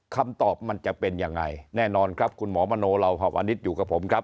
คำตอบมันจะเป็นยังไงแน่นอนครับคุณหมอมโนลาวหวานิษฐ์อยู่กับผมครับ